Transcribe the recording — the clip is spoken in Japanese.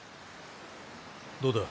どうだ？